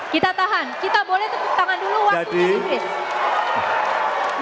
kita tahan kita boleh tepuk tangan dulu waktunya di inggris